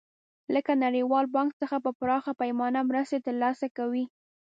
لکه نړیوال بانک څخه په پراخه پیمانه مرستې تر لاسه کوي.